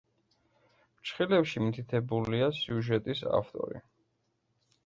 ფრჩხილებში მითითებულია სიუჟეტის ავტორი.